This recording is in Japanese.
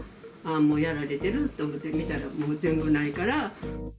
もうやられてると思って見たら、全部ないから。